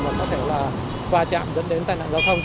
mà có thể là va chạm dẫn đến tai nạn giao thông